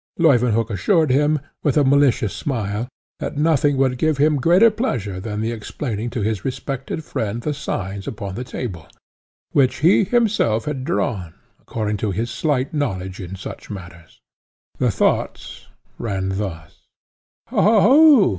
Leuwenhock assured him, with a malicious smile, that nothing would give him greater pleasure than the explaining to his respected friend the signs upon the table, which he himself had drawn, according to his slight knowledge in such matters. The thoughts ran thus: "Hoho!